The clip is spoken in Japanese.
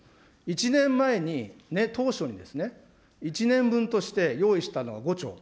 １年前に、当初に、１年分として用意したのが５兆。